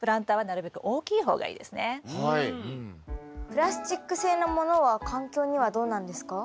プラスチック製のものは環境にはどうなんですか？